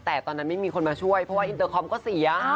แต่ตอนนั้นไม่มีคนมาช่วยเพราะว่าอินเตอร์คอมก็เสีย